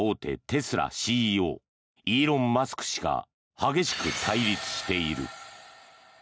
テスラＣＥＯイーロン・マスク氏が激しく対立している。